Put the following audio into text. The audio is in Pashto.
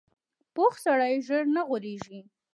پوخ سړی ژر نه غولېږي